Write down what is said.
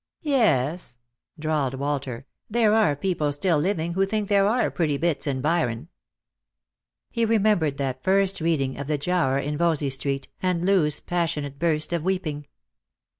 " Yes," drawled Walter, " there are people still living who think there are pretty bits in Byron." He remembered that first reading of the Giaour in Yoysey street, and Loo's passionate burst of weeping.